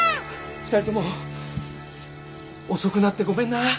２人とも遅くなってごめんな。